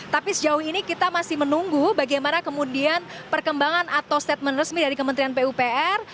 tapi sejauh ini kita masih menunggu bagaimana kemudian perkembangan atau statement resmi dari kementerian pupr